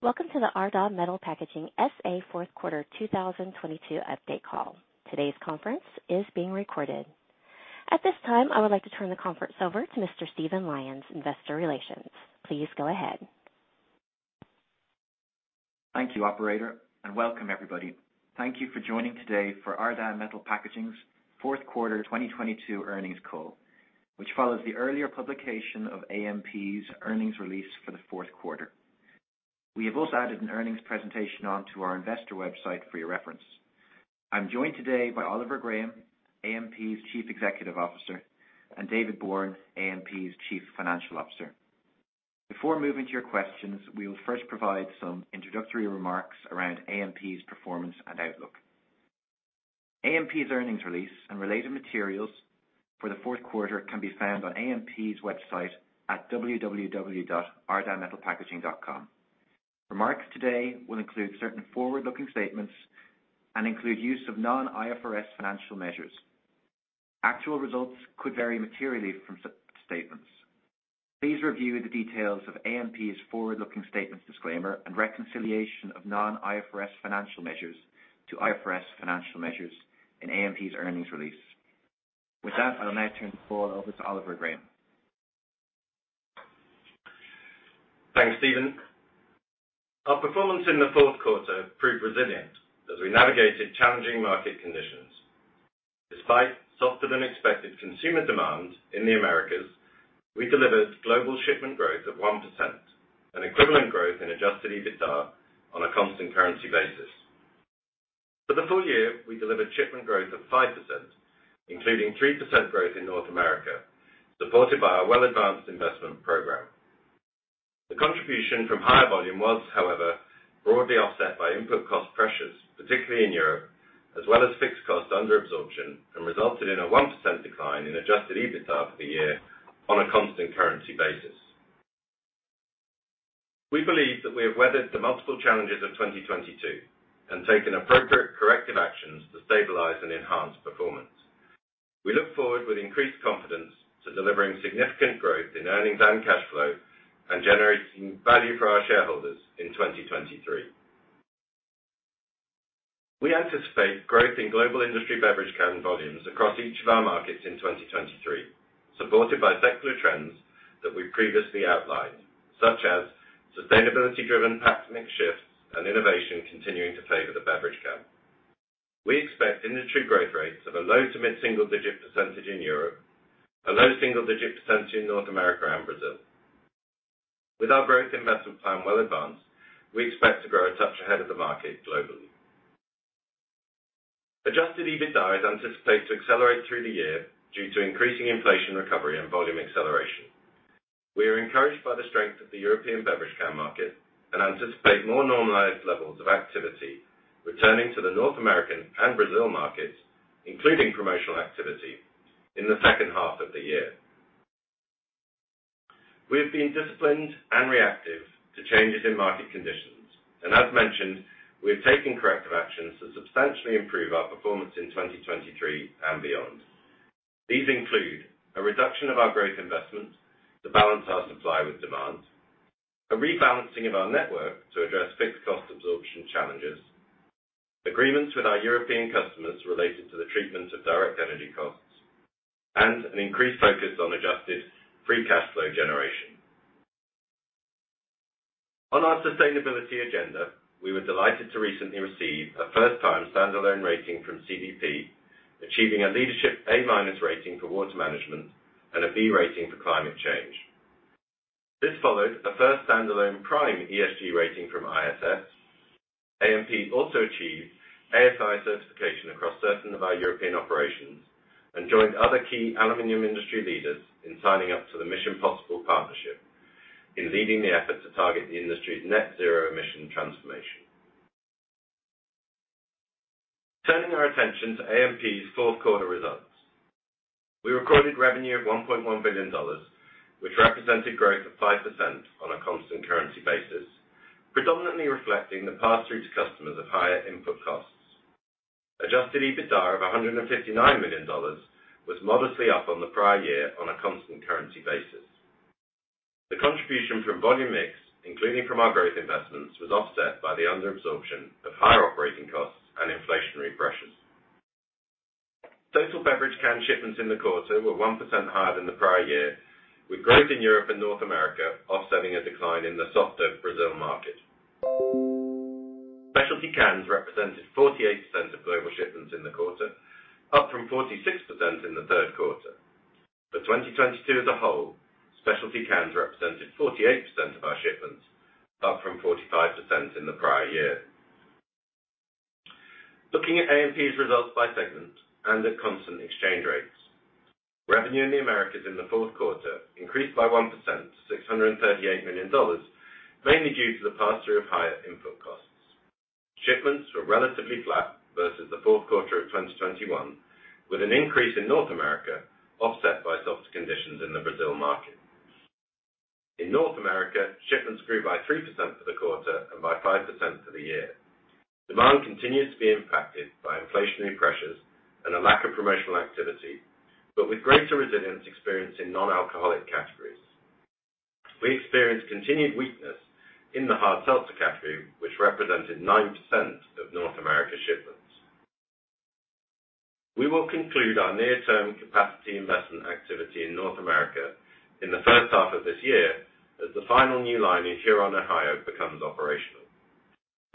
Welcome to the Ardagh Metal Packaging S.A. fourth quarter 2022 update call. Today's conference is being recorded. At this time, I would like to turn the conference over to Mr. Stephen Lyons, Investor Relations. Please go ahead. Thank you, operator, and welcome everybody. Thank you for joining today for Ardagh Metal Packaging's fourth quarter 2022 Earnings Call, which follows the earlier publication of AMP's earnings release for the fourth quarter. We have also added an earnings presentation onto our investor website for your reference. I'm joined today by Oliver Graham, AMP's Chief Executive Officer; and David Bourne, AMP's Chief Financial Officer.Before moving to your questions, we will first provide some introductory remarks around AMP's performance and outlook. AMP's earnings release and related materials for the fourth quarter can be found on AMP's website at www.ardaghmetalpackaging.com. Remarks today will include certain forward-looking statements and include use of non-IFRS financial measures. Actual results could vary materially from such statements. Please review the details of AMP's forward-looking statements disclaimer and reconciliation of non-IFRS financial measures to IFRS financial measures in AMP's earnings release. With that, I'll now turn the call over to Oliver Graham. Thanks, Stephen. Our performance in the fourth quarter proved resilient as we navigated challenging market conditions. Despite softer than expected consumer demand in the Americas, we delivered global shipment growth of 1% and equivalent growth in Adjusted EBITDA on a constant currency basis. For the full year, we delivered shipment growth of 5%, including 3% growth in North America, supported by our well-advanced investment program. The contribution from higher volume was, however, broadly offset by input cost pressures, particularly in Europe, as well as fixed cost under absorption, and resulted in a 1% decline in Adjusted EBITDA for the year on a constant currency basis. We believe that we have weathered the multiple challenges of 2022 and taken appropriate corrective actions to stabilize and enhance performance. We look forward with increased confidence to delivering significant growth in earnings and cash flow and generating value for our shareholders in 2023. We anticipate growth in global industry beverage can volumes across each of our markets in 2023, supported by secular trends that we previously outlined, such as sustainability driven pack mix shifts and innovation continuing to favor the beverage can. We expect industry growth rates of a low to mid-single digit % in Europe, a low single digit % in North America and Brazil. With our growth investment plan well advanced, we expect to grow a touch ahead of the market globally. Adjusted EBITDA is anticipated to accelerate through the year due to increasing inflation recovery and volume acceleration. We are encouraged by the strength of the European beverage can market and anticipate more normalized levels of activity returning to the North American and Brazil markets, including promotional activity in the second half of the year. We have been disciplined and reactive to changes in market conditions, and as mentioned, we have taken corrective actions to substantially improve our performance in 2023 and beyond. These include a reduction of our growth investment to balance our supply with demand, a rebalancing of our network to address fixed cost absorption challenges, agreements with our European customers related to the treatment of direct energy costs, and an increased focus on adjusted free cash flow generation. On our sustainability agenda, we were delighted to recently receive a first time standalone rating from CDP, achieving a leadership A- rating for water management and a B rating for climate change. This followed a first standalone prime ESG rating from ISS. AMP also achieved ASI certification across certain of our European operations and joined other key aluminum industry leaders in signing up to the Mission Possible Partnership in leading the effort to target the industry's net zero emission transformation. Turning our attention to AMP's fourth quarter results. We recorded revenue of $1.1 billion, which represented growth of 5% on a constant currency basis, predominantly reflecting the pass-through to customers of higher input costs. Adjusted EBITDA of $159 million was modestly up on the prior year on a constant currency basis. The contribution from volume mix, including from our growth investments, was offset by the under absorption of higher operating costs and inflationary pressures. Total beverage can shipments in the quarter were 1% higher than the prior year, with growth in Europe and North America offsetting a decline in the softer Brazil market. specialty cans represented 48% of global shipments in the quarter, up from 46% in the third quarter. For 2022 as a whole, specialty cans represented 48% of our shipments, up from 45% in the prior year. Looking at AMP's results by segment and at constant exchange rates. Revenue in the Americas in the fourth quarter increased by 1% to $638 million, mainly due to the pass-through of higher input costs. Shipments were relatively flat versus the fourth quarter of 2021, with an increase in North America offset by softer conditions in the Brazil market. In North America, shipments grew by 3% for the quarter and by 5% for the year. Demand continues to be impacted by inflationary pressures and a lack of promotional activity, but with greater resilience experienced in non-alcoholic categories. We experienced continued weakness in the hard seltzer category, which represented 9% of North America shipments. We will conclude our near-term capacity investment activity in North America in the first half of this year as the final new line in Huron, Ohio, becomes operational.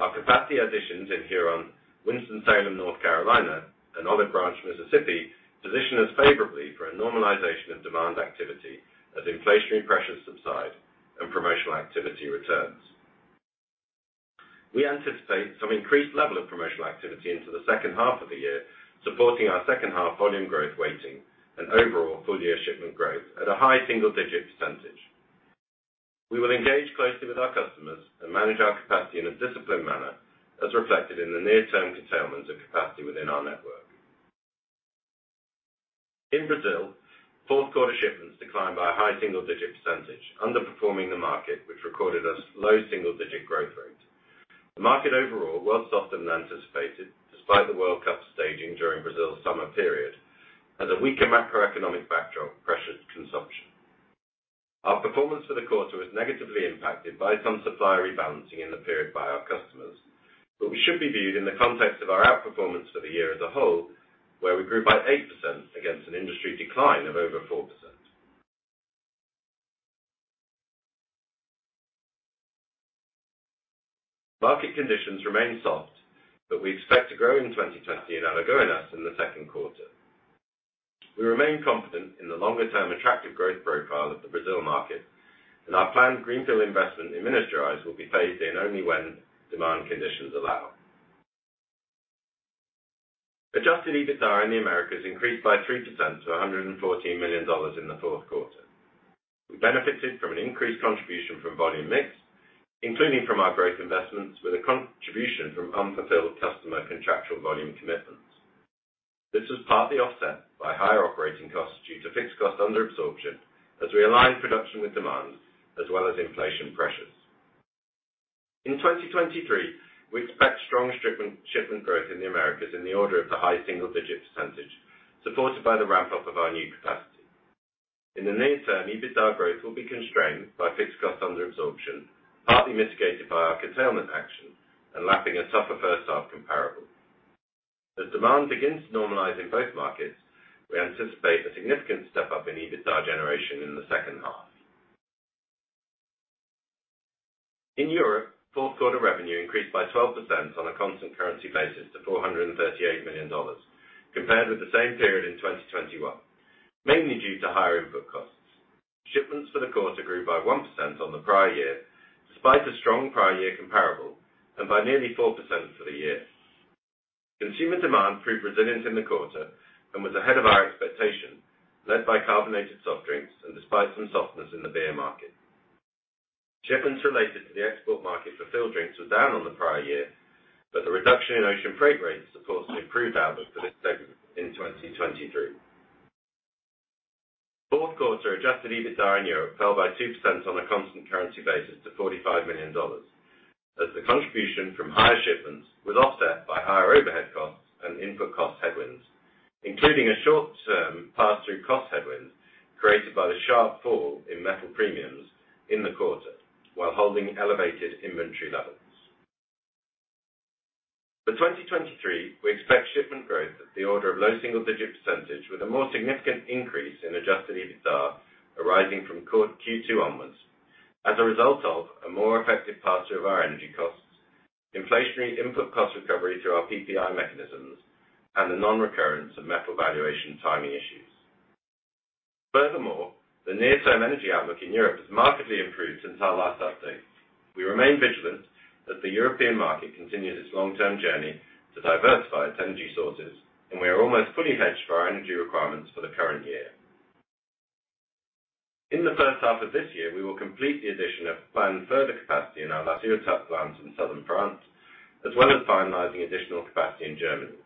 Our capacity additions in Huron, Winston-Salem, North Carolina, and Olive Branch, Mississippi, position us favorably for a normalization of demand activity as inflationary pressures subside and promotional activity returns. We anticipate some increased level of promotional activity into the second half of the year, supporting our second half volume growth weighting and overall full-year shipment growth at a high single-digit percentage. We will engage closely with our customers and manage our capacity in a disciplined manner, as reflected in the near-term curtailment of capacity within our network. In Brazil, fourth quarter shipments declined by a high single-digit %, underperforming the market, which recorded a low single-digit growth rate. The market overall was softer than anticipated, despite the World Cup staging during Brazil's summer period, as a weaker macroeconomic backdrop pressured consumption. Our performance for the quarter was negatively impacted by some supplier rebalancing in the period by our customers. We should be viewed in the context of our outperformance for the year as a whole, where we grew by 8% against an industry decline of over 4%. Market conditions remain soft. We expect to grow in 2020 in our Goiás in the second quarter. We remain confident in the longer-term attractive growth profile of the Brazil market. Our planned greenfield investment in Minas Gerais will be phased in only when demand conditions allow. Adjusted EBITDA in the Americas increased by 3% to $114 million in the fourth quarter. We benefited from an increased contribution from volume mix, including from our growth investments, with a contribution from unfulfilled customer contractual volume commitments. This was partly offset by higher operating costs due to fixed cost under absorption as we align production with demand as well as inflation pressures. In 2023, we expect strong shipment growth in the Americas in the order of the high single-digit %, supported by the ramp-up of our new capacity. In the near term, EBITDA growth will be constrained by fixed cost under absorption, partly mitigated by our curtailment action and lapping a tougher first half comparable. As demand begins to normalize in both markets, we anticipate a significant step-up in EBITDA generation in the second half. In Europe, fourth quarter revenue increased by 12% on a constant currency basis to $438 million, compared with the same period in 2021, mainly due to higher input costs. Shipments for the quarter grew by 1% on the prior year, despite a strong prior year comparable, and by nearly 4% for the year. Consumer demand proved resilient in the quarter and was ahead of our expectation, led by carbonated soft drinks and despite some softness in the beer market. Shipments related to the export market for filled drinks were down on the prior year. The reduction in ocean freight rates supports the improved outlook for this segment in 2023. Fourth quarter, Adjusted EBITDA in Europe fell by 2% on a constant currency basis to $45 million, as the contribution from higher shipments was offset by higher overhead costs and input cost headwinds, including a short-term pass-through cost headwind created by the sharp fall in metal premiums in the quarter while holding elevated inventory levels. For 2023, we expect shipment growth of the order of low single-digit % with a more significant increase in Adjusted EBITDA arising from Q2 onwards as a result of a more effective pass-through of our energy costs, inflationary input cost recovery through our PPI mechanisms, and the non-recurrence of metal valuation timing issues. The near-term energy outlook in Europe has markedly improved since our last update. We remain vigilant as the European market continues its long-term journey to diversify its energy sources, and we are almost fully hedged for our energy requirements for the current year. In the first half of this year, we will complete the addition of planned further capacity in our La Tourrette plant in Southern France, as well as finalizing additional capacity in Germany.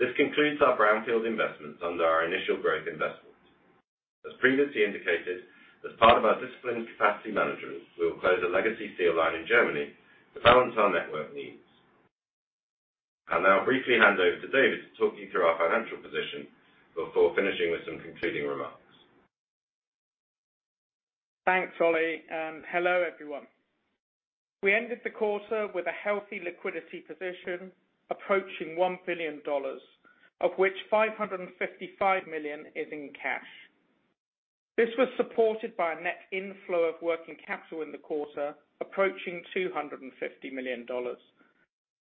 This concludes our brownfield investments under our initial growth investment. As previously indicated, as part of our disciplined capacity management, we will close a legacy field line in Germany to balance our network needs. I'll now briefly hand over to David to talk you through our financial position before finishing with some concluding remarks. Thanks, Ollie. Hello, everyone. We ended the quarter with a healthy liquidity position approaching $1 billion, of which $555 million is in cash. This was supported by a net inflow of working capital in the quarter approaching $250 million,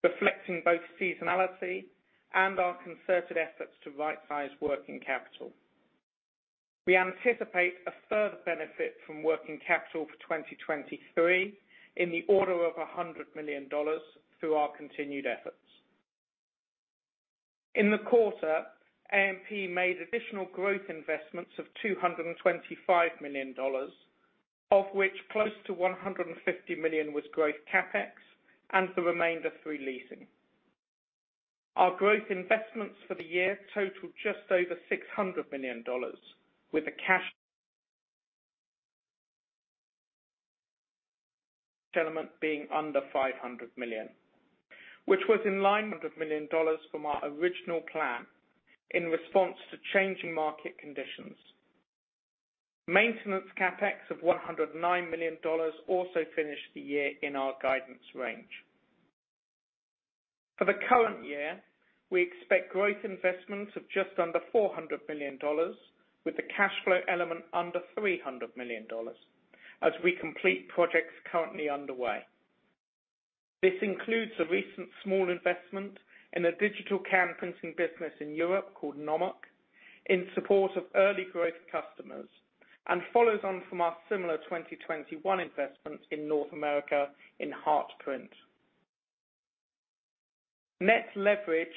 reflecting both seasonality and our concerted efforts to rightsize working capital. We anticipate a further benefit from working capital for 2023 in the order of $100 million through our continued efforts. In the quarter, AMP made additional growth investments of $225 million, of which close to $150 million was growth CapEx and the remainder through leasing. Our growth investments for the year totaled just over $600 million with a cash element being under $500 million, which was in line with a million dollars from our original plan in response to changing market conditions. Maintenance CapEx of $109 million also finished the year in our guidance range. For the current year, we expect growth investments of just under $400 million, with the cash flow element under $300 million as we complete projects currently underway. This includes a recent small investment in a digital can printing business in Europe called NOMOQ, in support of early growth customers, and follows on from our similar 2021 investment in North America in Hart Print. Net leverage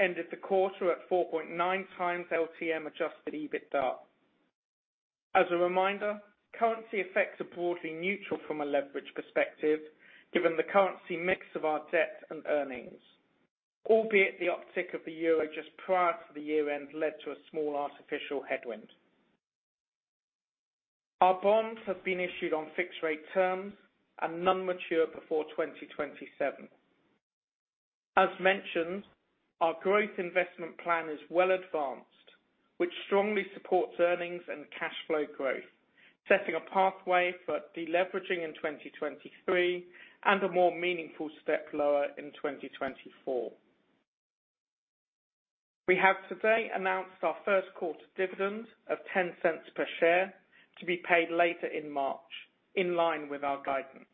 ended the quarter at 4.9x LTM Adjusted EBITDA. As a reminder, currency effects are broadly neutral from a leverage perspective, given the currency mix of our debt and earnings. Albeit, the uptick of the euro just prior to the year-end led to a small artificial headwind. Our bonds have been issued on fixed rate terms and none mature before 2027. As mentioned, our growth investment plan is well advanced, which strongly supports earnings and cash flow growth, setting a pathway for deleveraging in 2023 and a more meaningful step lower in 2024. We have today announced our first quarter dividend of $0.10 per share to be paid later in March, in line with our guidance,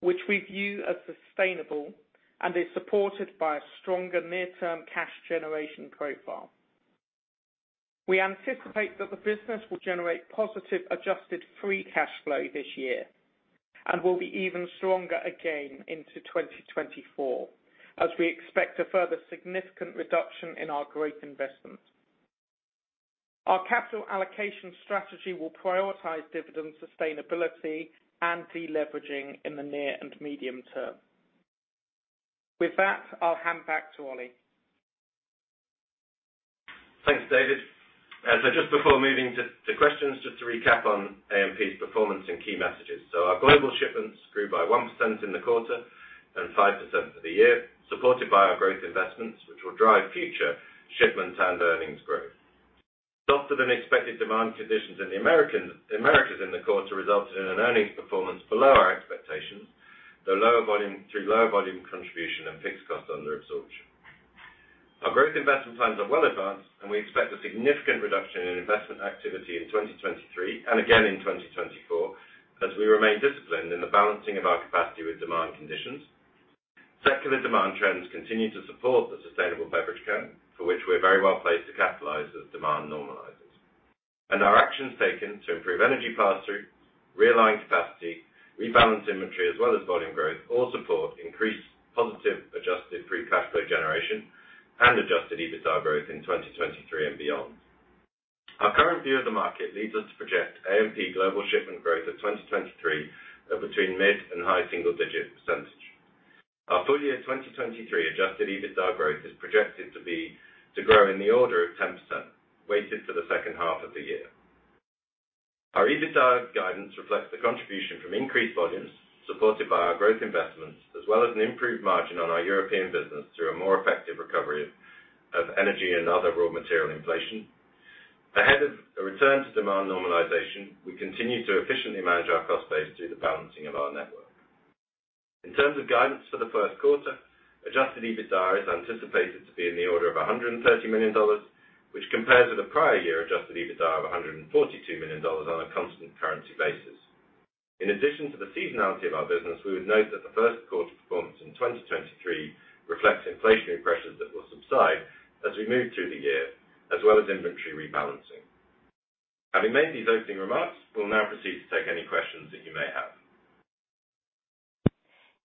which we view as sustainable and is supported by a stronger near-term cash generation profile. We anticipate that the business will generate positive Adjusted Free Cash Flow this year and will be even stronger again into 2024, as we expect a further significant reduction in our growth investments. Our capital allocation strategy will prioritize dividend sustainability and deleveraging in the near and medium term. With that, I'll hand back to Ollie. Thanks, David. Just before moving to questions, just to recap on AMP's performance and key messages. Our global shipments grew by 1% in the quarter and 5% for the year, supported by our growth investments, which will drive future shipments and earnings growth. Softer than expected demand conditions in the Americas in the quarter resulted in an earnings performance below our expectations, the lower volume, through lower volume contribution and fixed cost under absorption. Our growth investment plans are well advanced, and we expect a significant reduction in investment activity in 2023 and again in 2024, as we remain disciplined in the balancing of our capacity with demand conditions. Secular demand trends continue to support the sustainable beverage can, for which we're very well placed to capitalize as demand normalizes. Our actions taken to improve energy pass-through, realign capacity, rebalance inventory as well as volume growth, all support increased positive Adjusted Free Cash Flow generation and Adjusted EBITDA growth in 2023 and beyond. Our current view of the market leads us to project AMP global shipment growth of 2023 of between mid and high single-digit percentage. Our full year 2023 Adjusted EBITDA growth is projected to grow in the order of 10%, weighted to the second half of the year. Our EBITDA guidance reflects the contribution from increased volumes supported by our growth investments, as well as an improved margin on our European business through a more effective recovery of energy and other raw material inflation. Ahead of a return to demand normalization, we continue to efficiently manage our cost base through the balancing of our network. In terms of guidance for the first quarter, Adjusted EBITDA is anticipated to be in the order of $130 million, which compares with the prior year Adjusted EBITDA of $142 million on a constant currency basis. In addition to the seasonality of our business, we would note that the first quarter performance in 2023 reflects inflationary pressures that will subside as we move through the year, as well as inventory rebalancing. Having made these opening remarks, we'll now proceed to take any questions that you may have.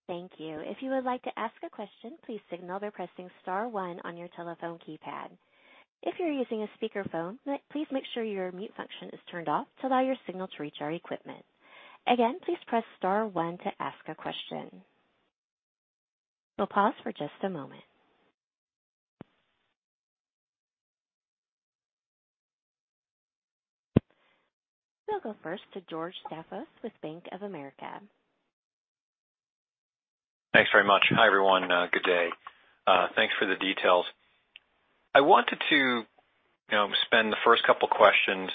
Thank you. If you would like to ask a question, please signal by pressing star one on your telephone keypad. If you're using a speakerphone, please make sure your mute function is turned off to allow your signal to reach our equipment. Again, please press star one to ask a question. We'll pause for just a moment. We'll go first to George Staphos with Bank of America. Thanks very much. Hi, everyone. Good day. Thanks for the details. I wanted to, you know, spend the first couple of questions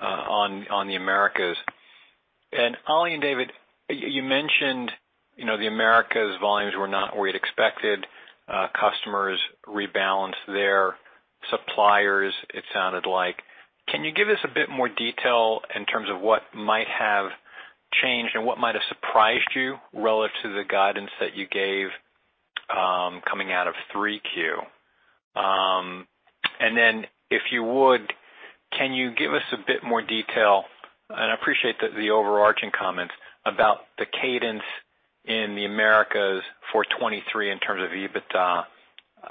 on the Americas. Ollie and David, you mentioned, you know, the Americas volumes were not where you'd expected. Customers rebalanced their suppliers, it sounded like. Can you give us a bit more detail in terms of what might have changed and what might have surprised you relative to the guidance that you gave coming out of 3Q? Then if you would, can you give us a bit more detail, and I appreciate the overarching comments about the cadence in the Americas for 2023 in terms of EBITDA?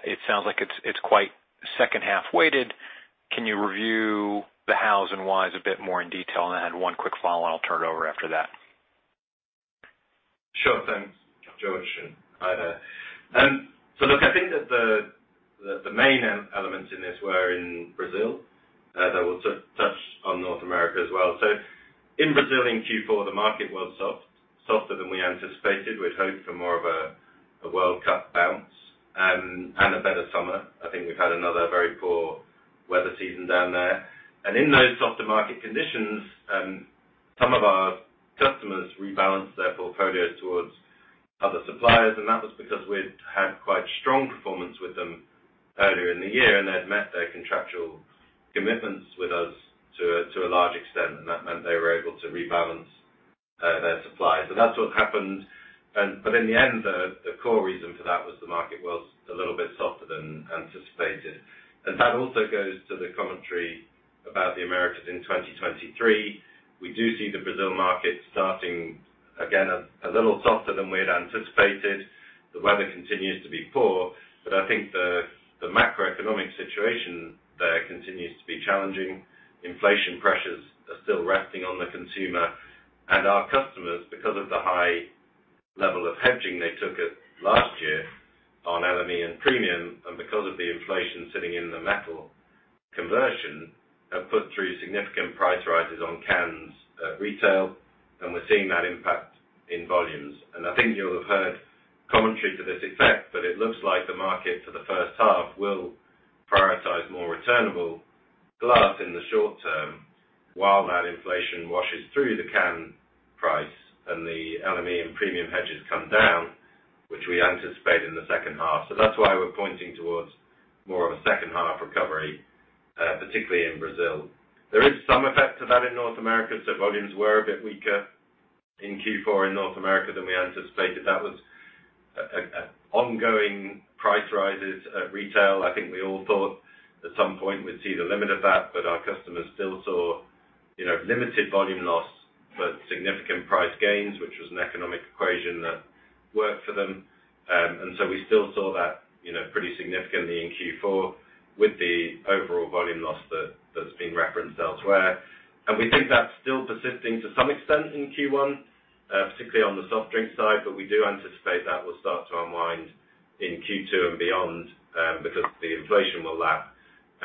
It sounds like it's quite second half weighted. Can you review the hows and whys a bit more in detail? I had one quick follow-on I'll turn it over after that. Sure thing, George, and hi there. Look, I think that the main elements in this were in Brazil, that will touch on North America as well. In Brazil, in Q4, the market was soft, softer than we anticipated. We'd hoped for more of a World Cup bounce and a better summer. I think we've had another very poor weather season down there. In those softer market conditions, some of our customers rebalanced their portfolio towards other suppliers, and that was because we'd had quite strong performance with them earlier in the year, and they'd met their contractual commitments with us to a large extent, and that meant they were able to rebalance their supply. That's what happened. In the end, the core reason for that was the market was a little bit softer than anticipated. That also goes to the commentary about the Americas in 2023. We do see the Brazil market starting, again, a little softer than we had anticipated. The weather continues to be poor, but I think the macroeconomic situation there continues to be challenging. Inflation pressures are still resting on the consumer. Our customers, because of the high level of hedging they took at last year on LME and premium, and because of the inflation sitting in the metal conversion, have put through significant price rises on cans at retail, and we're seeing that impact in volumes. I think you'll have heard commentary to this effect, but it looks like the market for the first half will prioritize more returnable glass in the short term, while that inflation washes through the can price and the LME and premium hedges come down, which we anticipate in the second half. That's why we're pointing towards more of a second half recovery, particularly in Brazil. There is some effect to that in North America. Volumes were a bit weaker in Q4 in North America than we anticipated. That was ongoing price rises at retail. I think we all thought at some point we'd see the limit of that, but our customers still saw, you know, limited volume loss, but significant price gains, which was an economic equation that worked for them. We still saw that, you know, pretty significantly in Q4 with the overall volume loss that's been referenced elsewhere. We think that's still persisting to some extent in Q1, particularly on the soft drink side, but we do anticipate that will start to unwind in Q2 and beyond because the inflation will lap.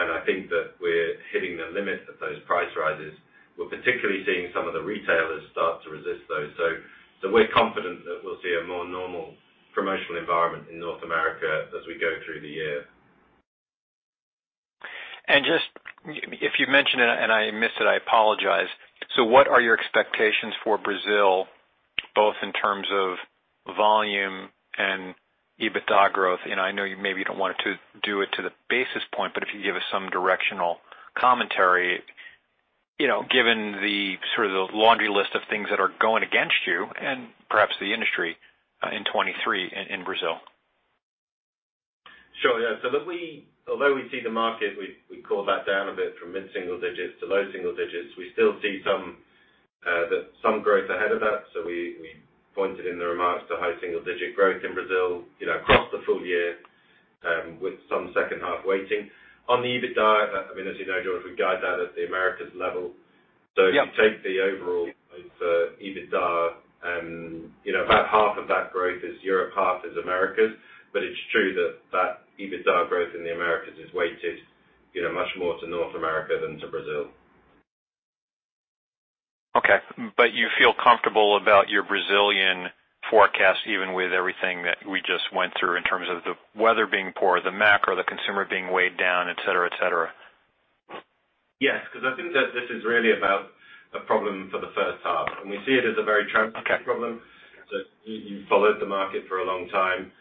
I think that we're hitting the limit of those price rises. We're particularly seeing some of the retailers start to resist those. We're confident that we'll see a more normal promotional environment in North America as we go through the year. Just if you mentioned it and I missed it, I apologize. What are your expectations for Brazil, both in terms of volume and EBITDA growth? I know you maybe don't want it to do it to the basis point, but if you give us some directional commentary, you know, given the sort of the laundry list of things that are going against you and perhaps the industry, in 2023 in Brazil. Sure, yeah. Look, although we see the market, we call that down a bit from mid-single digits to low single digits, we still see some growth ahead of that. We pointed in the remarks to high single digit growth in Brazil, you know, across the full year, with some second-half waiting. On the EBITDA, I mean, as you know, George, we guide that at the Americas level. Yeah. If you take the overall EBITDA and, you know, about half of that growth is Europe, half is Americas. It's true that that EBITDA growth in the Americas is weighted, you know, much more to North America than to Brazil. Okay. You feel comfortable about your Brazilian forecast, even with everything that we just went through in terms of the weather being poor, the macro, the consumer being weighed down, et cetera, et cetera? Yes, because I think that this is really about a problem for the first half, we see it as a very transient problem. You've followed the market for a long time.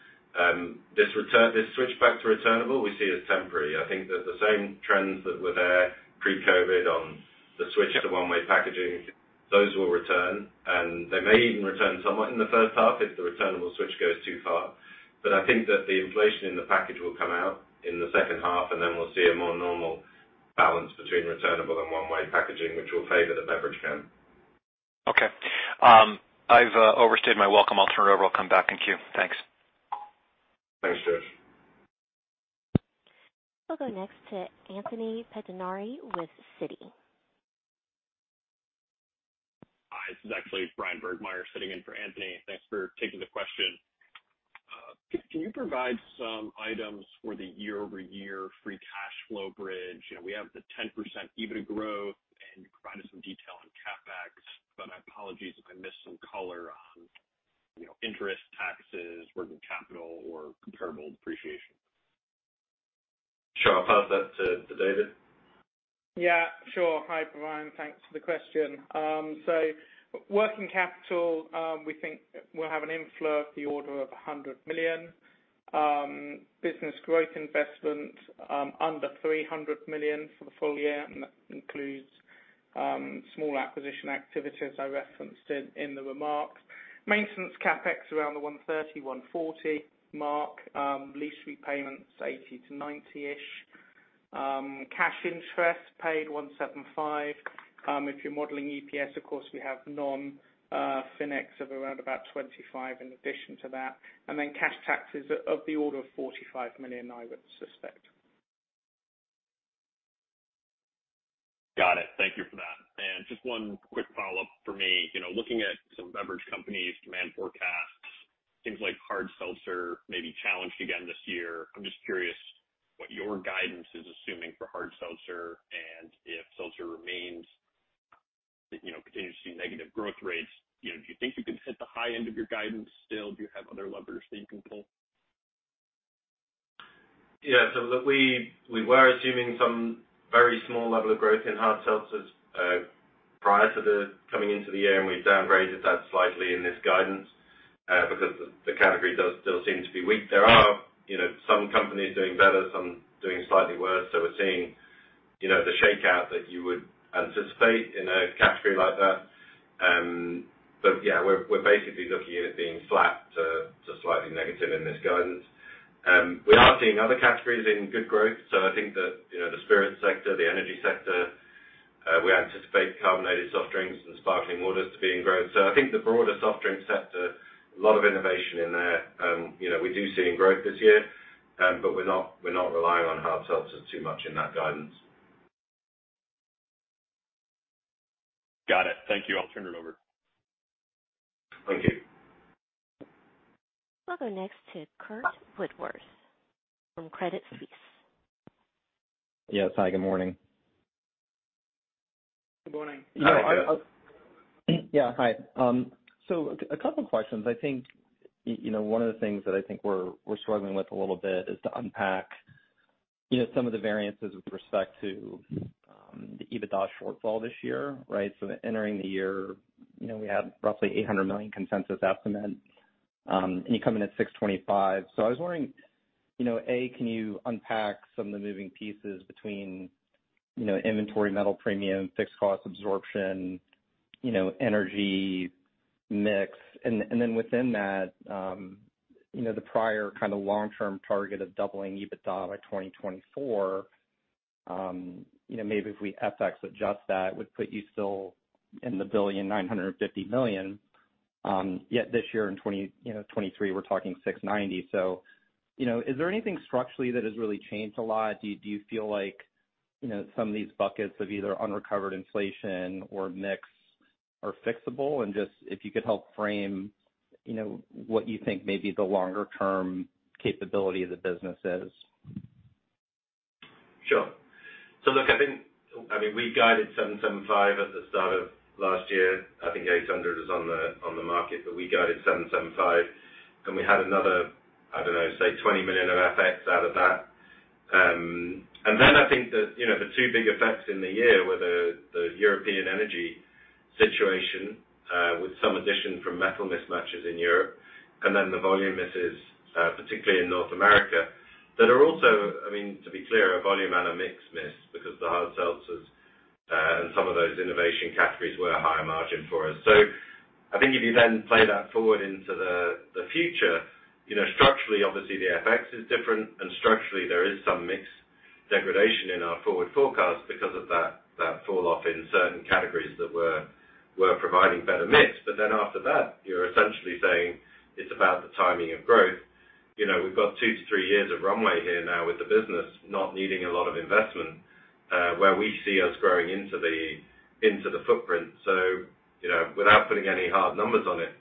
This return, this switchback to returnable, we see as temporary. I think that the same trends that were there pre-COVID on the switch to one-way packaging, those will return. They may even return somewhat in the first half if the returnable switch goes too far. I think that the inflation in the package will come out in the second half, we'll see a more normal balance between returnable and one-way packaging, which will favor the beverage can. Okay. I've overstayed my welcome. I'll turn it over. I'll come back in queue. Thanks. Thanks, George. We'll go next to Anthony Pettinari with Citi. Hi, this is actually Bryan Burgmeier sitting in for Anthony. Thanks for taking the question. Can you provide some items for the year-over-year free cash flow bridge? You know, we have the 10% EBITA growth, and you provided some detail on CapEx, but my apologies if I missed some color on, you know, interest, taxes, working capital, or comparable depreciation. Sure. I'll pass that to David. Yeah, sure. Hi, Bryan. Thanks for the question. Working capital, we think we'll have an inflow of the order of $100 million. Business growth investment, under $300 million for the full year, and that includes small acquisition activity as I referenced in the remarks. Maintenance CapEx around the $130 million-$140 million mark. Lease repayments $80 million-$90 million-ish. Cash interest paid $175 million. If you're modeling EPS, of course, we have non FinEx of around about $25 million in addition to that. Cash taxes of the order of $45 million, I would suspect. Got it. Thank you for that. Just one quick follow-up for me. You know, looking at some beverage companies' demand forecasts, things like hard seltzer may be challenged again this year. I'm just curious what your guidance is assuming for hard seltzer and if seltzer remains, you know, continues to see negative growth rates. You know, do you think you can hit the high end of your guidance still? Do you have other levers that you can pull? Look, we were assuming some very small level of growth in Hard Seltzers prior to the coming into the year, and we downgraded that slightly in this guidance because the category does still seem to be weak. There are, you know, some companies doing better, some doing slightly worse. We're seeing, you know, the shakeout that you would anticipate in a category like that. Yeah, we're basically looking at it being flat to slightly negative in this guidance. We are seeing other categories in good growth. I think that, you know, the spirit sector, the energy sector, we anticipate Carbonated Soft Drinks and Sparkling Waters to be in growth. I think the broader soft drink sector, a lot of innovation in there. You know, we do see growth this year, but we're not, we're not relying on hard seltzers too much in that guidance. Got it. Thank you. I'll turn it over. Thank you. We'll go next to Curt Woodworth from Credit Suisse. Yes. Hi, good morning. Good morning. Yeah. Hi. So a couple questions. I think, you know, one of the things that I think we're struggling with a little bit is to unpack, you know, some of the variances with respect to the EBITDA shortfall this year, right? Entering the year, you know, we had roughly $800 million consensus estimate, and you come in at $625. I was wondering, you know, a, can you unpack some of the moving pieces between, you know, inventory, metal premium, fixed cost absorption, you know, energy mix? And then within that, you know, the prior kinda long-term target of doubling EBITDA by 2024, you know, maybe if we FX adjust that would put you still in the $1.95 billion. Yet this year in 2023, we're talking $690. You know, is there anything structurally that has really changed a lot? Do you, do you feel like, you know, some of these buckets of either unrecovered inflation or mix are fixable? Just if you could help frame, you know, what you think may be the longer term capability of the business is? Sure. Look, I mean, we guided $775 million at the start of last year. I think $800 million is on the market. We guided $775 million, and we had another, I don't know, say $20 million of FX out of that. I think that, you know, the two big effects in the year were the European energy situation, with some addition from metal mismatches in Europe, the volume misses, particularly in North America, that are also. To be clear, a volume and a mix miss because the hard seltzers, and some of those innovation categories were higher margin for us. I think if you then play that forward into the future, you know, structurally, obviously the FX is different, and structurally there is some mix degradation in our forward forecast because of that fall off in certain categories that were providing better mix. After that, you're essentially saying it's about the timing of growth. You know, we've got two to three years of runway here now with the business not needing a lot of investment, where we see us growing into the footprint. You know, without putting any hard numbers on it,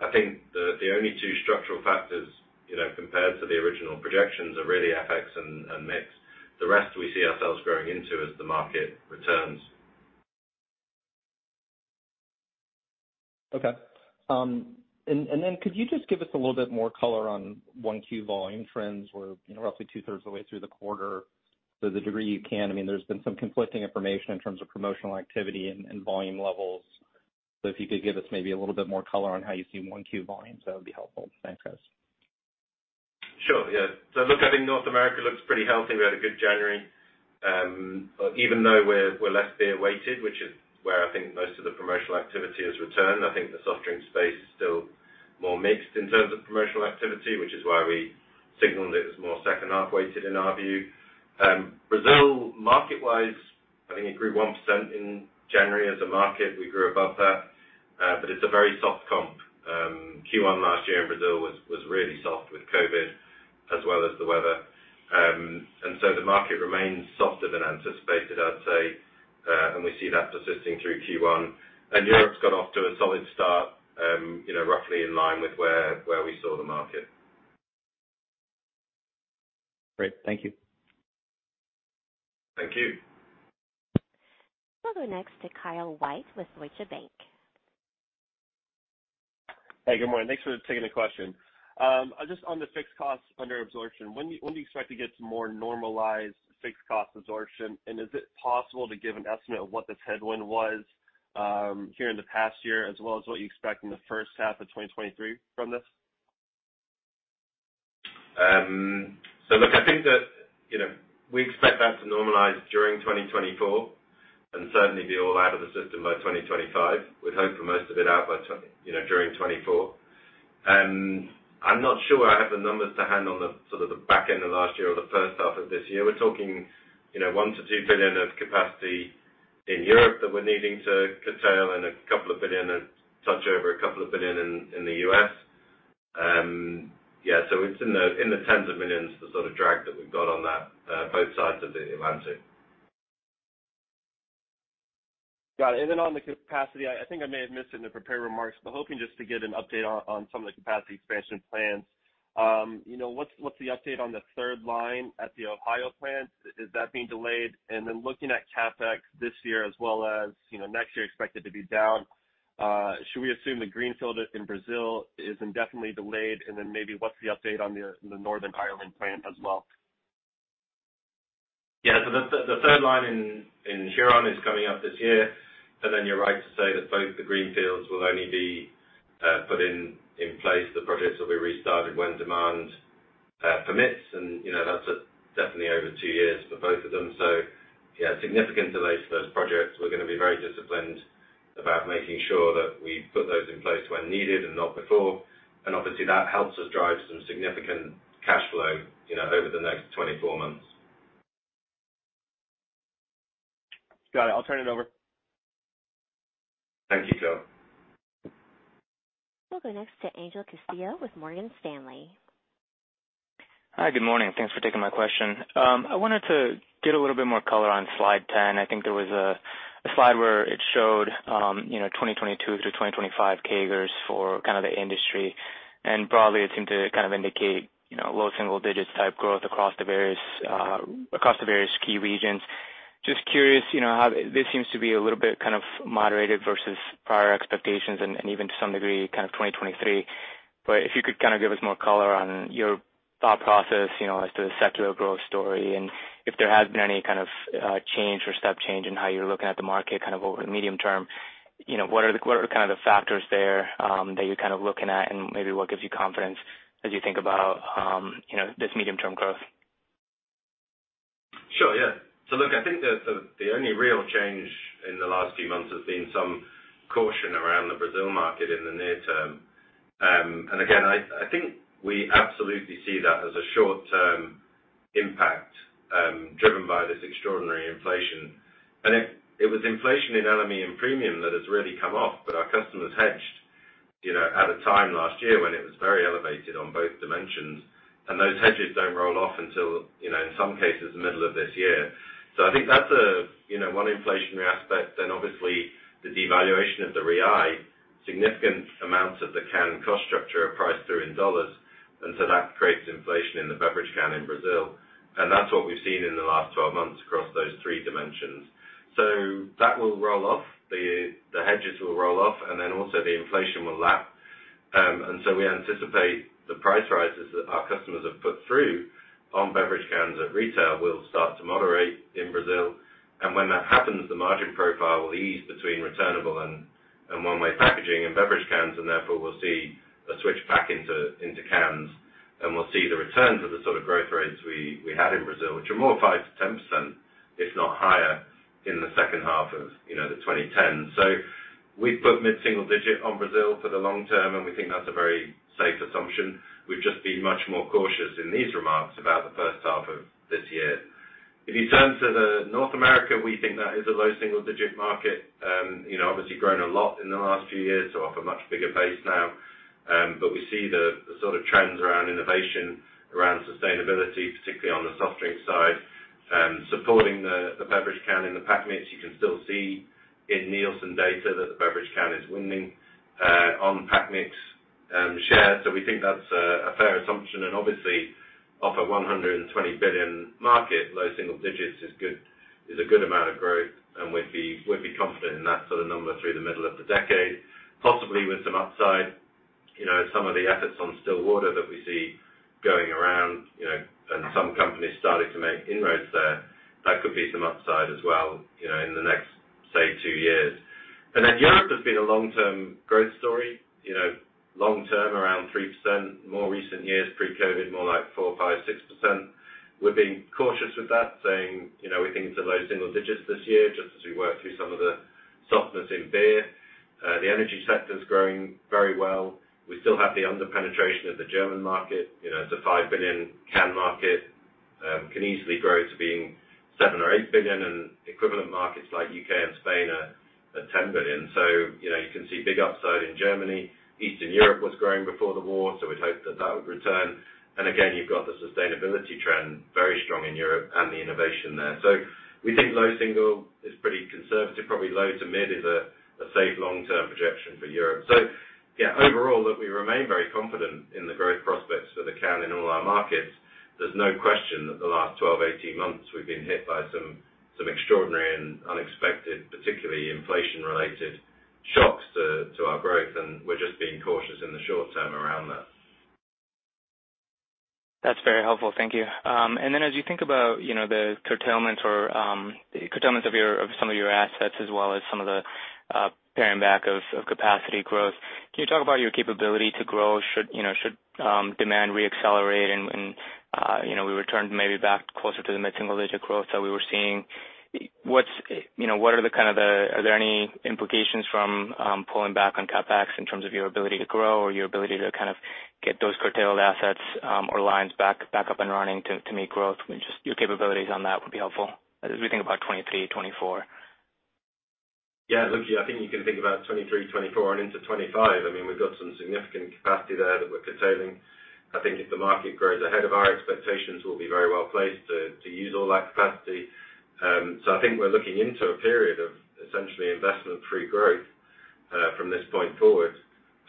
I think the only two structural factors, you know, compared to the original projections are really FX and mix. The rest we see ourselves growing into as the market returns. Okay. Could you just give us a little bit more color on 1Q volume trends? We're, you know, roughly two-thirds of the way through the quarter. To the degree you can, I mean there's been some conflicting information in terms of promotional activity and volume levels. If you could give us maybe a little bit more color on how you see 1Q volumes, that would be helpful. Thanks, guys. Sure. Yeah. Look, I think North America looks pretty healthy. We had a good January. Even though we're less beer weighted, which is where I think most of the promotional activity has returned. I think the soft drink space is still more mixed in terms of promotional activity, which is why we signaled it was more second half weighted in our view. Brazil, market wise, I think it grew 1% in January as a market. We grew above that. It's a very soft comp. Q1 last year in Brazil was really soft with COVID as well as the weather. The market remains softer than anticipated, I'd say. We see that persisting through Q1. Europe's got off to a solid start, you know, roughly in line with where we saw the market. Great. Thank you. Thank you. We'll go next to Kyle White with Deutsche Bank. Hey, good morning. Thanks for taking the question. just on the fixed costs under absorption, when do you expect to get to more normalized fixed cost absorption? Is it possible to give an estimate of what this headwind was, here in the past year, as well as what you expect in the first half of 2023 from this? Look, I think that, you know, we expect that to normalize during 2024 and certainly be all out of the system by 2025. We'd hope for most of it out by, you know, during 2024. I'm not sure I have the numbers to hand on the sort of the back end of last year or the first half of this year. We're talking, you know, $1 billion-$2 billion of capacity in Europe that we're needing to curtail and $2 billion and touch over $2 billion in the U.S. Yeah, it's in the tens of millions, the sort of drag that we've got on that, both sides of the Atlantic. Got it. I think I may have missed it in the prepared remarks, but hoping just to get an update on some of the capacity expansion plans. You know, what's the update on the third line at the Ohio plant? Is that being delayed? Looking at CapEx this year, as well as, you know, next year expected to be down, should we assume the greenfield in Brazil is indefinitely delayed? Maybe what's the update on the Northern Ireland plant as well? The third line in Huron is coming up this year. You're right to say that both the greenfields will only be put in place, the projects will be restarted when demand permits and, you know, that's definitely over two years for both of them. Significant delays for those projects. We're gonna be very disciplined about making sure that we put those in place when needed and not before. Obviously, that helps us drive some significant cash flow, you know, over the next 24 months. Got it. I'll turn it over. Thank you, Kyle. We'll go next to Angel Castillo with Morgan Stanley. Hi. Good morning. Thanks for taking my question. I wanted to get a little bit more color on slide 10. I think there was a slide where it showed, you know, 2022-2025 CAGRs for kind of the industry, and broadly it seemed to kind of indicate, you know, low single digits type growth across the various key regions. Just curious, you know, this seems to be a little bit kind of moderated versus prior expectations and even to some degree kind of 2023. If you could kind of give us more color on your thought process, you know, as to the secular growth story, and if there has been any kind of change or step change in how you're looking at the market kind of over the medium term, you know, what are the, what are kind of the factors there, that you're kind of looking at and maybe what gives you confidence as you think about, you know, this medium term growth? Sure. Yeah. Look, I think the only real change in the last few months has been some caution around the Brazil market in the near term. Again, I think we absolutely see that as a short term impact, driven by this extraordinary inflation. It was inflation in aluminium premium that has really come off, but our customers hedged, you know, at a time last year when it was very elevated on both dimensions, and those hedges don't roll off until, you know, in some cases middle of this year. I think that's a, you know, one inflationary aspect. Obviously the devaluation of the Real, significant amounts of the can cost structure are priced through in dollars, that creates inflation in the beverage can in Brazil. That's what we've seen in the last 12 months across those three dimensions. That will roll off, the hedges will roll off, and then also the inflation will lap. We anticipate the price rises that our customers have put through on beverage cans at retail will start to moderate in Brazil. When that happens, the margin profile will ease between returnable and one-way packaging and beverage cans, and therefore we'll see a switch back into cans. We'll see the return to the sort of growth rates we had in Brazil, which are more 5%-10%, if not higher, in the second half of, you know, the 2010s. We've put mid-single digit on Brazil for the long term, and we think that's a very safe assumption. We've just been much more cautious in these remarks about the first half of this year. If you turn to North America, we think that is a low single-digit market. you know, obviously grown a lot in the last few years, so off a much bigger base now. We see the sort of trends around innovation, around sustainability, particularly on the soft drink side, supporting the beverage can in the pack mix. You can still see in Nielsen data that the beverage can is winning on pack mix share. We think that's a fair assumption, and obviously off a $120 billion market, low single-digits is a good amount of growth, and we'd be confident in that sort of number through the middle of the decade, possibly with some upside. You know, some of the efforts on still water that we see going around, you know, and some companies starting to make inroads there, that could be some upside as well, you know, in the next, say, two years. Europe has been a long term growth story. You know, long term around 3%, more recent years pre-COVID more like 4%, 5%, 6%. We're being cautious with that, saying, you know, we think it's a low single digits this year, just as we work through some of the softness in beer. The energy sector's growing very well. We still have the under-penetration of the German market. You know, it's a five billion can market. can easily grow to being seven or eight billion, and equivalent markets like U.K. and Spain are 10 billion. You know, you can see big upside in Germany. Eastern Europe was growing before the war, we'd hope that that would return. Again, you've got the sustainability trend very strong in Europe and the innovation there. We think low single is pretty conservative. Probably low to mid is a safe long term projection for Europe. Yeah, overall, look, we remain very confident in the growth prospects for the can in all our markets. There's no question that the last 12, 18 months we've been hit by some extraordinary and unexpected, particularly inflation-related shocks to our growth, and we're just being cautious in the short term around that. That's very helpful. Thank you. As you think about, you know, the curtailment or curtailments of your, of some of your assets as well as some of the paring back of capacity growth, can you talk about your capability to grow should, you know, should demand reaccelerate and, you know, we return maybe back closer to the mid-single digit growth that we were seeing? What's, you know, what are the kind of the are there any implications from pulling back on CapEx in terms of your ability to grow or your ability to kind of get those curtailed assets, or lines back up and running to meet growth? I mean, just your capabilities on that would be helpful as we think about 2023, 2024. Yeah, look, I think you can think about 2023, 2024, and into 2025. I mean, we've got some significant capacity there that we're containing. I think if the market grows ahead of our expectations, we'll be very well placed to use all that capacity. I think we're looking into a period of essentially investment-free growth from this point forward.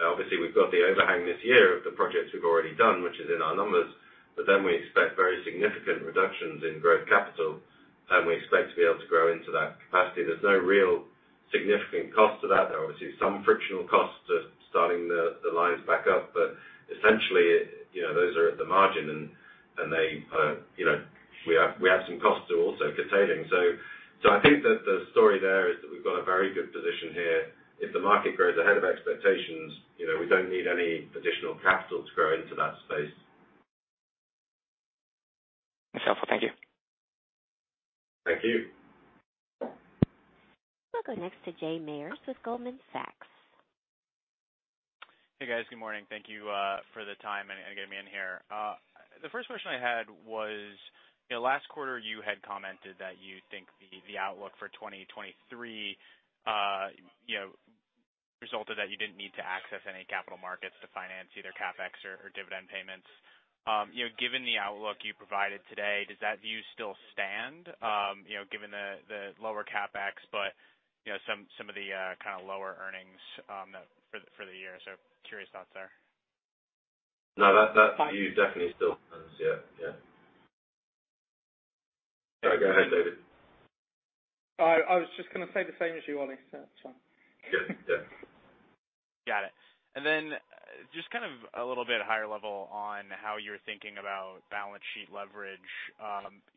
Obviously, we've got the overhang this year of the projects we've already done, which is in our numbers, but then we expect very significant reductions in growth capital, and we expect to be able to grow into that capacity. There's no real significant cost to that. There are obviously some frictional costs to starting the lines back up, but essentially, you know, those are at the margin and they, you know, we have some costs we're also containing. I think that the story there is that we've got a very good position here. If the market grows ahead of expectations, you know, we don't need any additional capital to grow into that space. That's helpful. Thank you. Thank you. We'll go next to Jay Mayers with Goldman Sachs. Hey, guys. Good morning. Thank you for the time and getting me in here. The first question I had was, you know, last quarter, you had commented that you think the outlook for 2023, you know, resulted that you didn't need to access any capital markets to finance either CapEx or dividend payments. You know, given the outlook you provided today, does that view still stand, you know, given the lower CapEx, but, you know, some of the kind of lower earnings for the year? Curious thoughts there. No, that view definitely still stands. Yeah, yeah. Sorry, go ahead, David. I was just gonna say the same as you, Ollie, so it's fine. Good. Yeah. Got it. Just kind of a little bit higher level on how you're thinking about balance sheet leverage.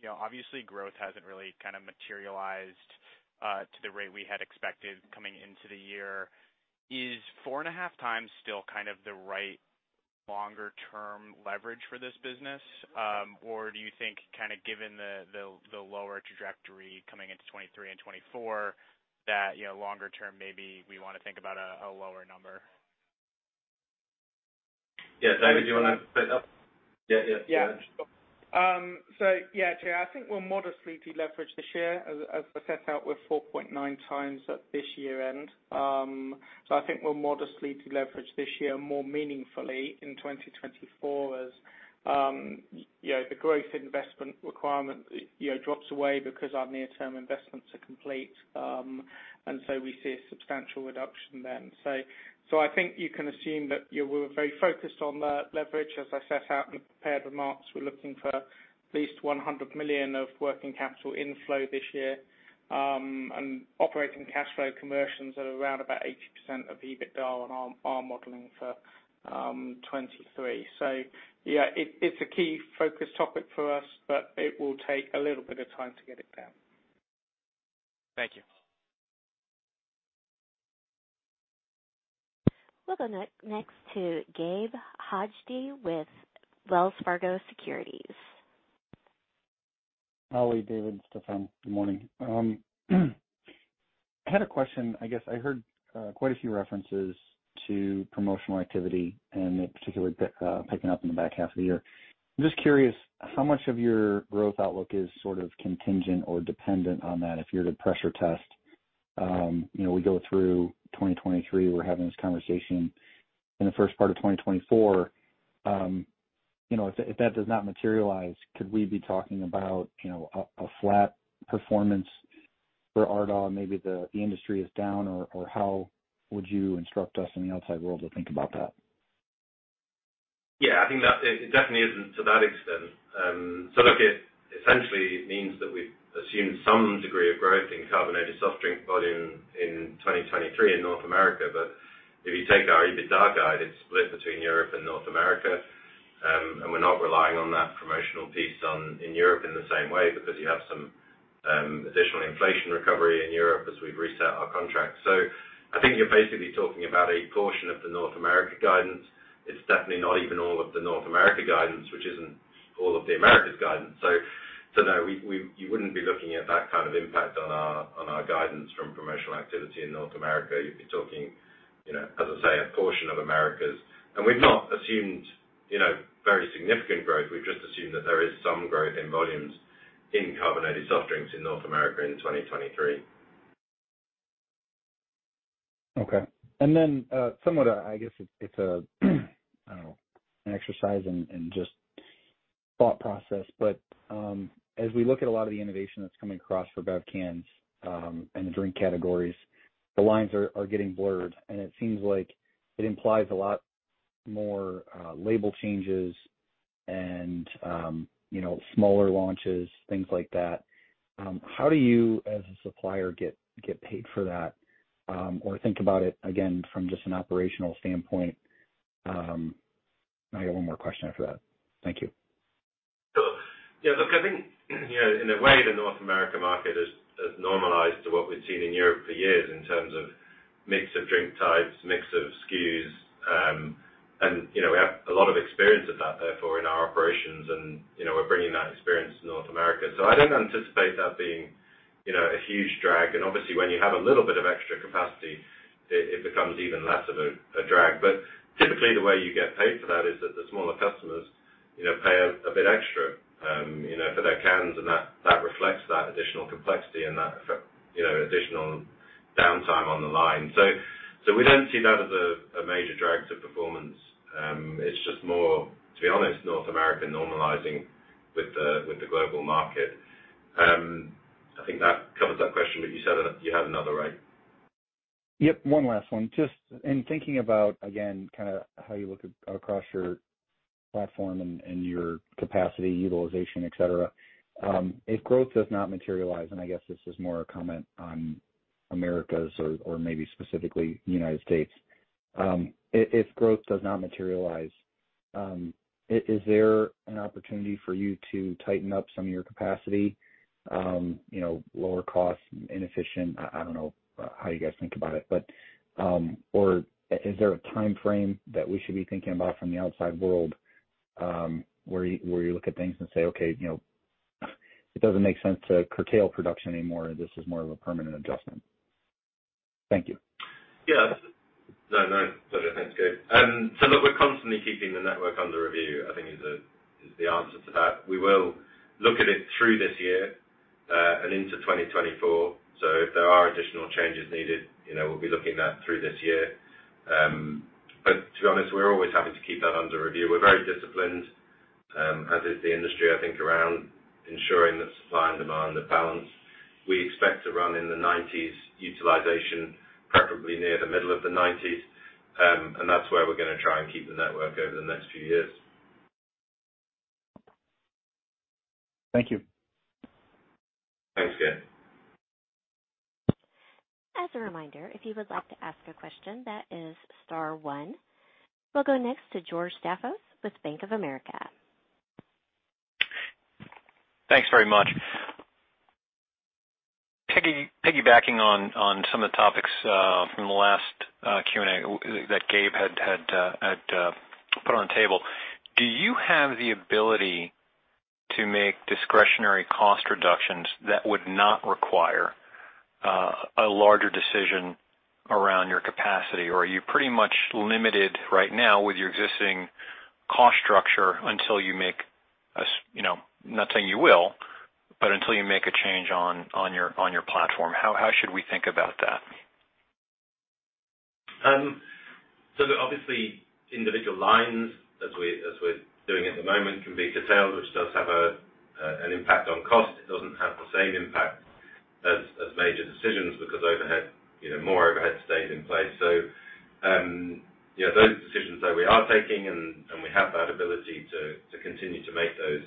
You know, obviously growth hasn't really kind of materialized to the rate we had expected coming into the year. Is four and a half times still kind of the right longer term leverage for this business? Do you think kind of given the, the lower trajectory coming into 2023 and 2024 that, you know, longer term, maybe we wanna think about a lower number? Yeah. David, do you wanna pick up? Yeah, yeah. Yeah, sure. Um, so yeah, Jay, I think we're modestly de-leveraged this year. As, as I set out, we're four point nine times at this year end. Um, so I think we're modestly de-leveraged this year more meaningfully in 2024. Yeah, the greatest investment requirement drops away because I mean investments are complete. And so we see substantial reduction. So, I think I can assume that you will focus on leverage as I said in my prepared remarks we're looking for atleast $100 million of working capital in flow this year. Operating cashflow can merge around 80% of EBITDA. So it's a key focus topic for us but it will take a little time to get it down. Thank you. We'll go next to Gabe Hajde with Wells Fargo Securities. Oli, David, Stephen, good morning. I had a question. I guess I heard quite a few references to promotional activity and it particularly picking up in the back half of the year. I'm just curious how much of your growth outlook is sort of contingent or dependent on that. If you're to pressure test, you know, we go through 2023, we're having this conversation in the first part of 2024, you know, if that does not materialize, could we be talking about, you know, a flat performance for Ardagh? Maybe the industry is down or how would you instruct us in the outside world to think about that? Yeah, I think that it definitely isn't to that extent. Look, it essentially means that we assume some degree of growth in carbonated soft drink volume in 2023 in North America. If you take our EBITDA guide, it's split between Europe and North America. We're not relying on that promotional piece on, in Europe in the same way because you have some additional inflation recovery in Europe as we've reset our contracts. I think you're basically talking about a portion of the North America guidance. It's definitely not even all of the North America guidance, which isn't all of the Americas guidance. No, we wouldn't be looking at that kind of impact on our guidance from promotional activity in North America. You'd be talking, you know, as I say, a portion of Americas, and we've not assumed, you know, very significant growth. We've just assumed that there is some growth in volumes in carbonated soft drinks in North America in 2023. Okay. Somewhat, I guess it's a I don't know, an exercise and just thought process. As we look at a lot of the innovation that's coming across for Bev cans, and the drink categories, the lines are getting blurred, and it seems like it implies a lot more, label changes and, you know, smaller launches, things like that. How do you as a supplier get paid for that? Think about it again from just an operational standpoint. I got one more question after that. Thank you. Yeah, look, I think, you know, in a way the North America market has normalized to what we've seen in Europe for years in terms of mix of drink types, mix of SKUs. You know, we have a lot of experience of that, therefore, in our operations and, you know, we're bringing that experience to North America. I don't anticipate that being, you know, a huge drag. Obviously when you have a little bit of extra capacity, it becomes even less of a drag. But typically the way you get paid for that is that the smaller customers, you know, pay a bit extra, you know, for their cans, and that reflects that additional complexity and that, you know, additional downtime on the line. We don't see that as a major drag to performance. It's just more, to be honest, North America normalizing with the, with the global market. I think that covers that question, but you said that you had another, right? Yep. One last one. Just in thinking about, again, kind of how you look across your platform and your capacity utilization, et cetera, if growth does not materialize, and I guess this is more a comment on Americas or maybe specifically United States. If growth does not materialize, is there an opportunity for you to tighten up some of your capacity, you know, lower costs, inefficient? I don't know how you guys think about it, but. Is there a timeframe that we should be thinking about from the outside world, where you, where you look at things and say, "Okay, you know, it doesn't make sense to curtail production anymore. This is more of a permanent adjustment." Thank you. Yeah. No, no. Pleasure. Thanks, Gabe. Look, we're constantly keeping the network under review, I think is the, is the answer to that. We will look at it through this year, and into 2024. If there are additional changes needed, you know, we'll be looking at through this year. To be honest, we're always having to keep that under review. We're very disciplined, as is the industry, I think, around ensuring that supply and demand are balanced. We expect to run in the '90s utilization, preferably near the middle of the '90s. That's where we're gonna try and keep the network over the next few years. Thank you. Thanks, Gabe. As a reminder, if you would like to ask a question, that is star one. We'll go next to George Staphos with Bank of America. Thanks very much. Piggybacking on some of the topics from the last Q&A that Gabe had put on the table, do you have the ability to make discretionary cost reductions that would not require a larger decision around your capacity? Or are you pretty much limited right now with your existing cost structure until you make a you know, I'm not saying you will, but until you make a change on your platform? How should we think about that? Obviously individual lines as we're doing at the moment, can be detailed, which does have an impact on cost. It doesn't have the same impact as major decisions because overhead, you know, more overhead stays in place. You know, those decisions that we are taking, and we have that ability to continue to make those.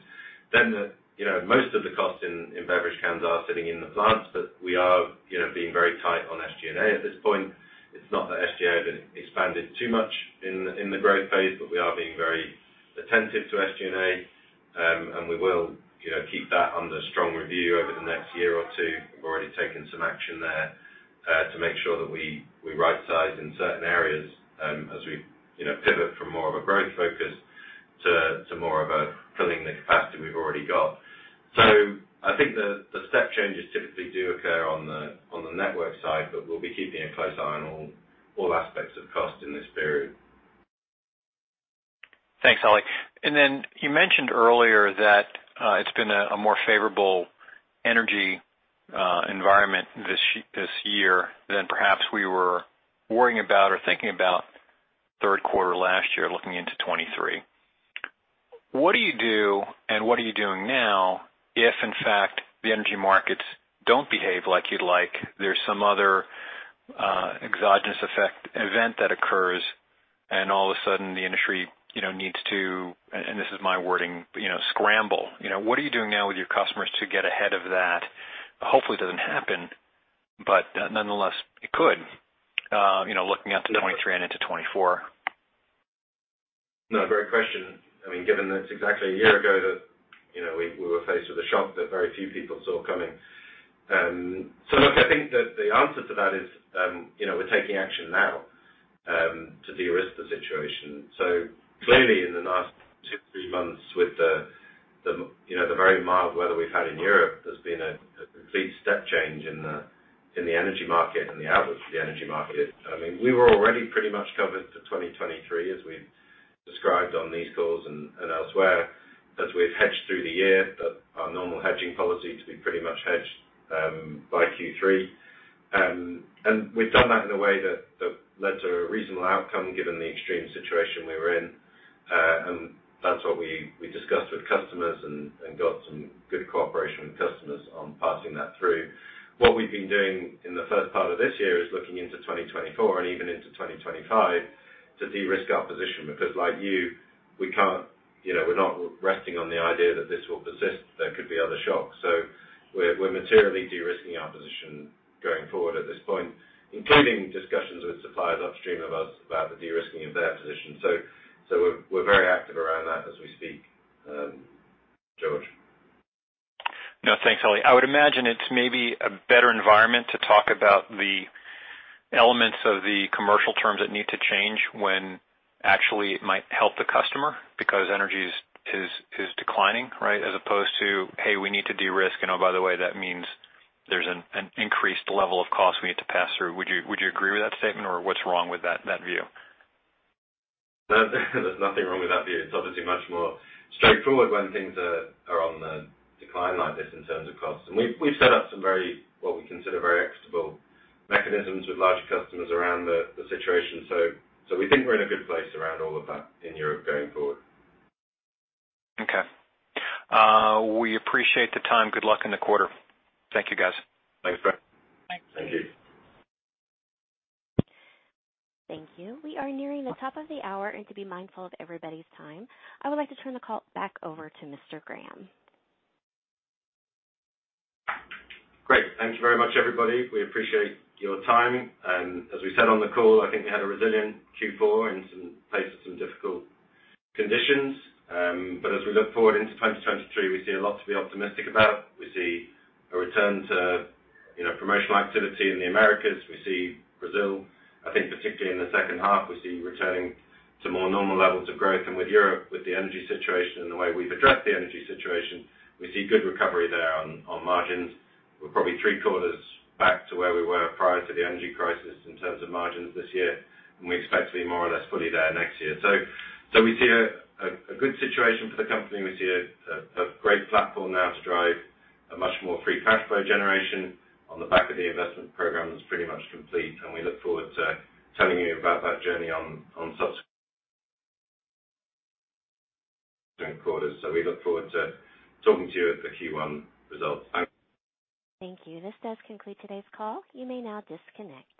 The, you know, most of the costs in beverage cans are sitting in the plants, but we are, you know, being very tight on SG&A at this point. It's not that SG&A been expanded too much in the growth phase, but we are being very attentive to SG&A. We will, you know, keep that under strong review over the next year or two. We've already taken some action there to make sure that we right-size in certain areas, as we, you know, pivot from more of a growth focus to more of a filling the capacity we've already got. I think the step changes typically do occur on the network side, but we'll be keeping a close eye on all aspects of cost in this period. Thanks, Ollie. you mentioned earlier that it's been a more favorable energy environment this year than perhaps we were worrying about or thinking about third quarter last year, looking into 2023. What do you do, and what are you doing now if in fact the energy markets don't behave like you'd like, there's some other exogenous effect event that occurs and all of a sudden the industry, you know, needs to, and this is my wording, you know, scramble? What are you doing now with your customers to get ahead of that? Hopefully, it doesn't happen, but nonetheless, it could. you know, looking out to 2023 and into 2024. No, great question. I mean, given that it's exactly a year ago that, you know, we were faced with a shock that very few people saw coming. Look, I think that the answer to that is, you know, we're taking action now to de-risk the situation. Clearly in the last two, three months with the, you know, the very mild weather we've had in Europe, there's been a complete step change in the, in the energy market and the outlook for the energy market. I mean, we were already pretty much covered for 2023, as we've described on these calls and elsewhere, as we've hedged through the year that our normal hedging policy to be pretty much hedged by Q3. We've done that in a way that led to a reasonable outcome given the extreme situation we were in. That's what we discussed with customers and got some good cooperation with customers on passing that through. What we've been doing in the first part of this year is looking into 2024 and even into 2025 to de-risk our position because like you, we can't, you know, we're not resting on the idea that this will persist. There could be other shocks. We're materially de-risking our position going forward at this point, including discussions with suppliers upstream of us about the de-risking of their position. We're very active around that as we speak, George. No, thanks, Ollie. I would imagine it's maybe a better environment to talk about the elements of the commercial terms that need to change when actually it might help the customer because energy is declining, right? As opposed to, "Hey, we need to de-risk, and oh, by the way, that means there's an increased level of cost we need to pass through." Would you agree with that statement, or what's wrong with that view? No, there's nothing wrong with that view. It's obviously much more straightforward when things are on the decline like this in terms of cost. We've set up some very, what we consider very equitable mechanisms with larger customers around the situation. We think we're in a good place around all of that in Europe going forward. Okay. We appreciate the time. Good luck in the quarter. Thank you, guys. Thanks, George. Thank you. We are nearing the top of the hour. To be mindful of everybody's time, I would like to turn the call back over to Mr. Graham. Great. Thank you very much, everybody. We appreciate your time. I think we had a resilient Q4 in some places, some difficult conditions. As we look forward into 2023, we see a lot to be optimistic about. We see a return to, you know, promotional activity in the Americas. We see Brazil, I think particularly in the second half, we see returning to more normal levels of growth. With Europe, with the energy situation and the way we've addressed the energy situation, we see good recovery there on margins. We're probably three quarters back to where we were prior to the energy crisis in terms of margins this year, and we expect to be more or less fully there next year. We see a good situation for the company. We see a great platform now to drive a much more free cash flow generation on the back of the investment program that's pretty much complete. We look forward to telling you about that journey on subsequent quarters. We look forward to talking to you at the Q1 results. Thank you. This does conclude today's call. You may now disconnect.